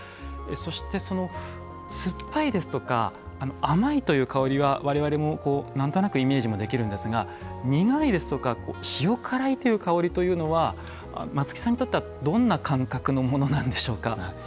そして、酸っぱいですとか甘いという香りはわれわれもなんとなくイメージできますが苦いですとか、塩辛い香りというのが松木さんにとってどんな感覚のものなんでしょうか。